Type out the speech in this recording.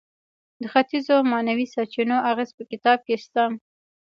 د ختیځو معنوي سرچینو اغیز په کتاب کې شته.